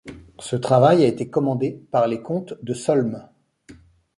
Ce travail a été commandé par les comtes de Solms.